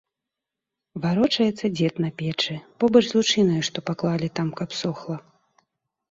Варочаецца дзед на печы, побач з лучынаю, што паклалі там, каб сохла.